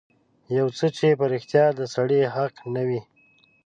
يو څه چې په رښتيا د سړي حق نه وي.